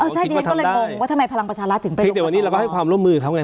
อ๋อใช่เนี้ยก็เลยงงว่าทำไมพลังประชาราชถึงไปตรงกับสอวร์แต่เดี๋ยววันนี้เราก็ให้ความร่วมมือเขาไง